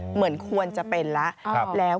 เหมือนควรจะเป็นแล้ว